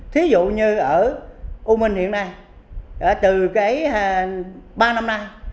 thí dụ như ở u minh hiện nay từ cái ba năm nay